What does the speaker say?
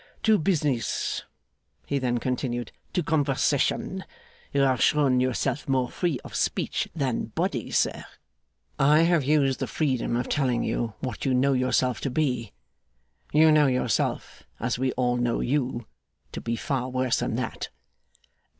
'To business,' he then continued. 'To conversation. You have shown yourself more free of speech than body, sir.' 'I have used the freedom of telling you what you know yourself to be. You know yourself, as we all know you, to be far worse than that.